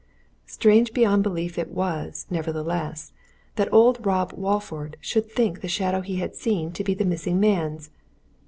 Strange beyond belief it was, nevertheless, that old Rob Walford should think the shadow he had seen to be the missing man's!